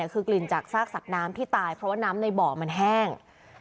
คือกลิ่นจากซากสัตว์น้ำที่ตายเพราะว่าน้ำในบ่อมันแห้ง